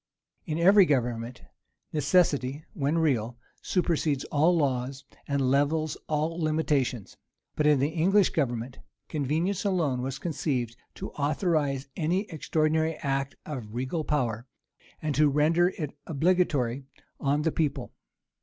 In every government, necessity, when real, supersedes all laws, and levels all limitations; but in the English government, convenience alone was conceived to authorize any extraordinary act of regal power, and to render it obligatory on the people.